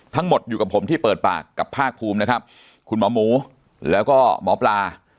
ทั้งหมดอยู่กับผมที่เปิดปากกับภาคภูมินะครับคุณหมอหมูแล้วก็หมอปลา